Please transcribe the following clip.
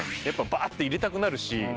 やっぱバって入れたくなるし。